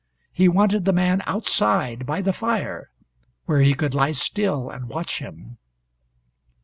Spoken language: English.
He wanted the man outside by the fire where he could lie still, and watch him.